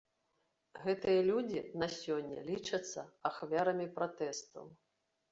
Гэтыя людзі на сёння лічацца ахвярамі пратэстаў.